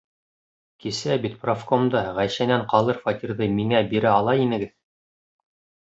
Кисә бит профкомда Ғәйшәнән ҡалыр фатирҙы миңә бирә ала инегеҙ!